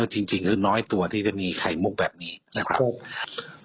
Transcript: จริงแล้วน้อยตัวที่จะมีไข่มุกแบบนี้นะครับ